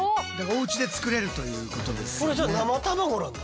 おうちで作れるということですね。